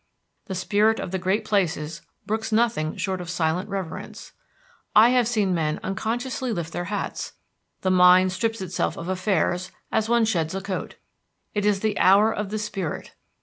The spirit of the great places brooks nothing short of silent reverence. I have seen men unconsciously lift their hats. The mind strips itself of affairs as one sheds a coat. It is the hour of the spirit.